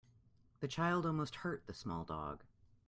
The child almost hurt the small dog.